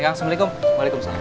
oke kang assalamualaikum